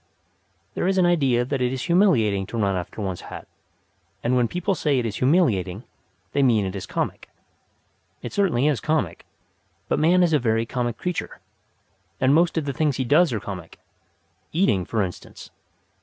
There is an idea that it is humiliating to run after one's hat; and when people say it is humiliating they mean that it is comic. It certainly is comic; but man is a very comic creature, and most of the things he does are comic eating, for instance.